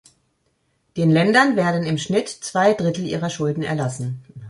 Den Ländern werden im Schnitt zwei Drittel ihrer Schulden erlassen.